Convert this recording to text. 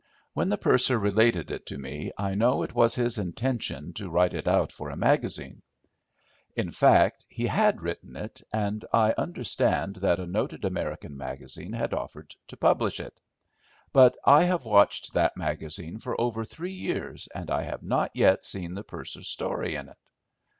When the purser related it to me I know it was his intention to write it out for a magazine. In fact he had written it, and I understand that a noted American magazine had offered to publish it, but I have watched that magazine for over three years and I have not yet seen the purser's story in it.